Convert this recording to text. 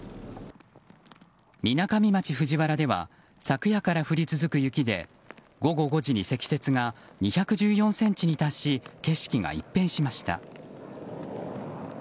みなかみ町藤原では昨夜から降り続く雪で午後５時に積雪が２１４ｃｍに達し景色が一変しました。